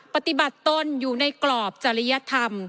ปฏิบัติต้นอยู่ในกรอบจริยธรรม